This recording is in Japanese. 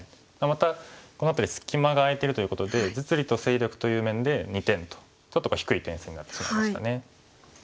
またこの辺り隙間が空いてるということで実利と勢力という面で２点とちょっと低い点数になってしまいましたね。